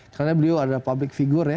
karena beliau adalah publik figur ya